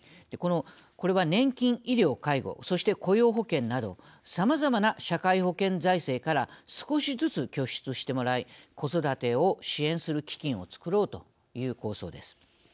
これは年金、医療、介護そして雇用保険などさまざまな社会保険財政から少しずつ拠出してもらい子育てを支援する基金を作ろうという構想です。